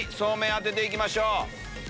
当てていきましょう。